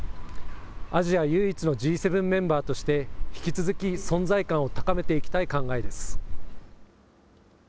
アジア唯一のＧ７メンバーとして、引き続き存在感を高めていきたい考えです。